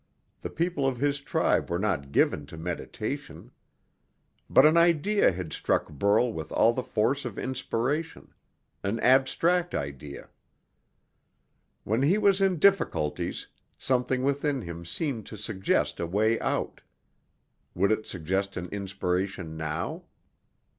The people of his tribe were not given to meditation. But an idea had struck Burl with all the force of inspiration an abstract idea. When he was in difficulties, something within him seemed to suggest a way out. Would it suggest an inspiration now?